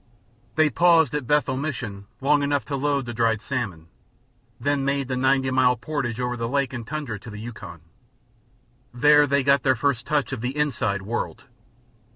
They paused at Bethel Mission long enough to load with dried salmon, then made the ninety mile portage over lake and tundra to the Yukon. There they got their first touch of the "inside" world.